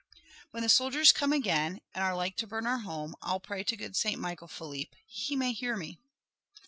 "When the soldiers come again, and are like to burn our home I'll pray to good Saint Michael, Philippe. He may hear me."